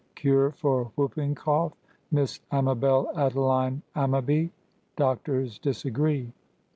—CURE FOR WHOOPING COUGH.—MISS AMABEL ADELINE AMMABY.—DOCTORS DISAGREE.